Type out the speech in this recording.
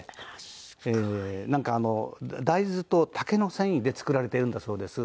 なんか大豆と竹の繊維で作られているんだそうです。